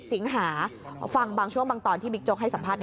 สิงหาฟังบางช่วงบางตอนที่บิ๊กโจ๊กให้สัมภาษณ์